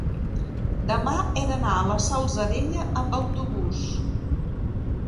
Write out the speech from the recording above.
Demà he d'anar a la Salzadella amb autobús.